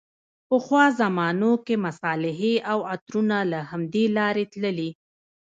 پخوا زمانو کې مصالحې او عطرونه له همدې لارې تللې.